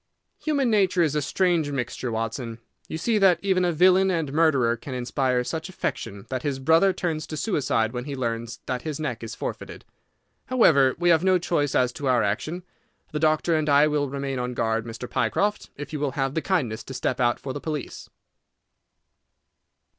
"Human nature is a strange mixture, Watson. You see that even a villain and murderer can inspire such affection that his brother turns to suicide when he learns that his neck is forfeited. However, we have no choice as to our action. The doctor and I will remain on guard, Mr. Pycroft, if you will have the kindness to step out for the police."